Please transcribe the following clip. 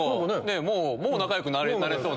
もう仲良くなれそうな。